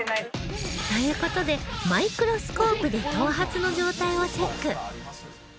という事でマイクロスコープで頭髪の状態をチェック